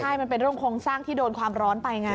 ใช่มันเป็นเรื่องโครงสร้างที่โดนความร้อนไปไง